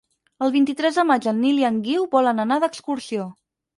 El vint-i-tres de maig en Nil i en Guiu volen anar d'excursió.